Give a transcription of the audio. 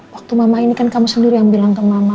waktu mama ini kan kamu sendiri yang bilang ke mama